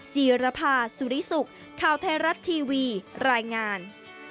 จีรภาสุริสุขข่าวไทยรัฐทีวีรายงาน